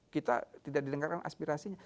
kita tidak didengarkan aspirasinya